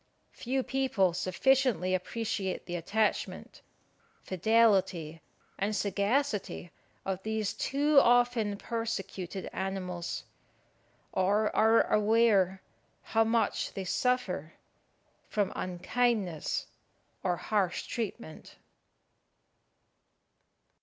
Few people sufficiently appreciate the attachment, fidelity, and sagacity of these too often persecuted animals, or are aware how much they suffer from unkindness or harsh treatment.